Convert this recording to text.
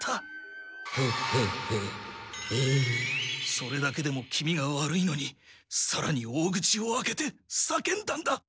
それだけでも気味が悪いのにさらに大口を開けてさけんだんだ。